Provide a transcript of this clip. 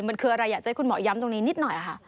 มันคืออะไรอยากจะให้คุณหมอย้ำตรงนี้นิดหน่อยค่ะ